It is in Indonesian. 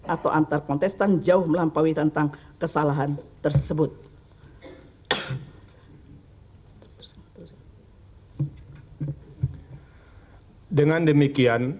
atau antar kontestan jauh melampaui